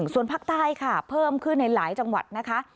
ส่วนภาคใต้ค่ะเพิ่มขึ้นในหลายจังหวัดนะคะ